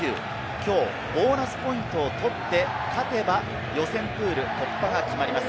きょうボーナスポイントを取って勝てば予選プール突破が決まります。